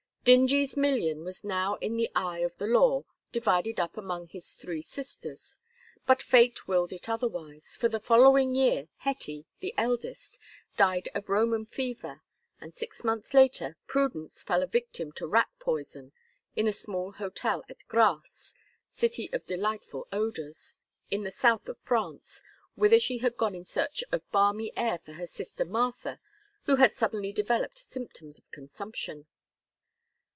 Dingee's million was now in the eye of the law divided up among his three sisters, but fate willed it otherwise, for the following year Hetty, the eldest, died of Roman fever, and six months later Prudence fell a victim to rat poison in a small hotel at Grasse, City of Delightful Odors, in the south of France, whither she had gone in search of balmy air for her sister Martha, who had suddenly developed symptoms of consumption.